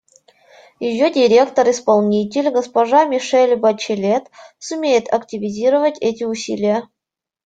Ее Директор-исполнитель госпожа Мишель Бачелет сумеет активизировать эти усилия.